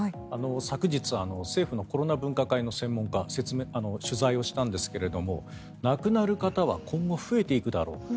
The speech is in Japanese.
昨日、政府のコロナ分科会の専門家に取材をしたんですけども亡くなる方は今後、増えていくだろうと。